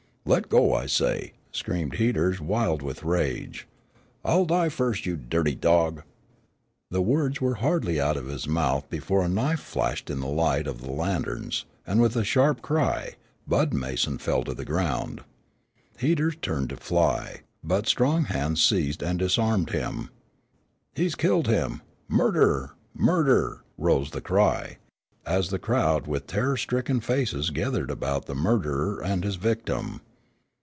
"Let go, I say," screamed Heaters, wild with rage. "I'll die first, you dirty dog!" The words were hardly out of his mouth before a knife flashed in the light of the lanterns, and with a sharp cry, Bud Mason fell to the ground. Heaters turned to fly, but strong hands seized and disarmed him. "He's killed him! Murder, murder!" arose the cry, as the crowd with terror stricken faces gathered about the murderer and his victim.